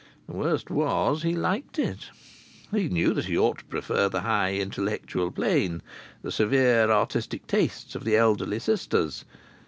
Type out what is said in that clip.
The worst was, he liked it. He knew that he ought to prefer the high intellectual plane, the severe artistic tastes, of the elderly sisters.